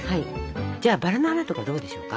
じゃあバラの花とかどうでしょうか？